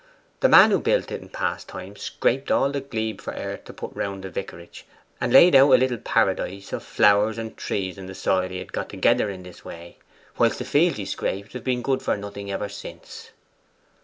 The man who built it in past time scraped all the glebe for earth to put round the vicarage, and laid out a little paradise of flowers and trees in the soil he had got together in this way, whilst the fields he scraped have been good for nothing ever since.